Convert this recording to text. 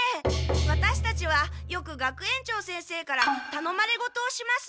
ワタシたちはよく学園長先生からたのまれごとをします。